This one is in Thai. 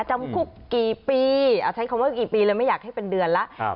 จำคุกกี่ปีใช้คำว่ากี่ปีเลยไม่อยากให้เป็นเดือนแล้ว